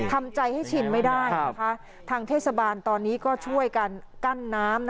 ทำใจให้ชินไม่ได้นะคะทางเทศบาลตอนนี้ก็ช่วยกันกั้นน้ำ